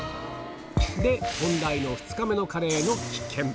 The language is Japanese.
で、問題の２日目のカレーの危険。